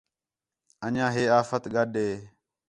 انڄیاں ہے آفت گڈھ ہے